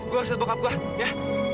gue harus lihat bokap gue ya